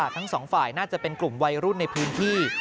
ทั้งสองฝ่ายน่าจะเป็นกลุ่มวัยรุ่นในพื้นที่